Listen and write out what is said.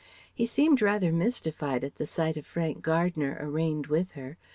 He seemed rather mystified at the sight of Frank Gardner arraigned with her.